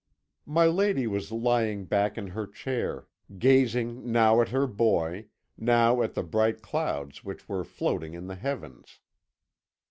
"My lady was lying back in her chair, gazing now at her boy, now at the bright clouds which were floating in the heavens.